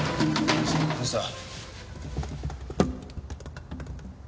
どうした？